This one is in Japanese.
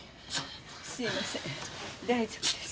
すいません大丈夫です。